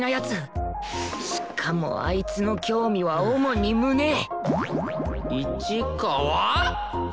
しかもあいつの興味は主に胸「市川」！？